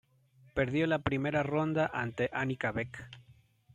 Perdió en la primera ronda ante Annika Beck.